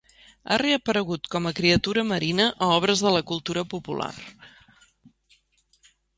Ha reaparegut com a criatura marina a obres de la cultura popular.